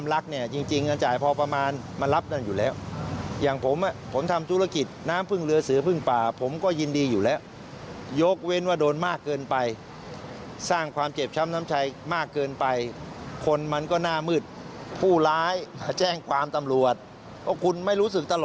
มีตลกบ้างเหรอผู้ร้ายที่ไหนมันมาแจ้งความตำรวจได้